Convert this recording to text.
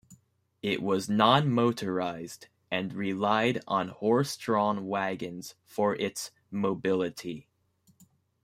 It was non-motorised and relied on horse-drawn wagons for its mobility.